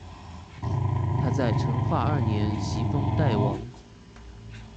他在成化二年袭封代王。